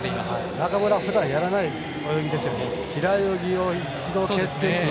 中村、ふだんやらない泳ぎですよね。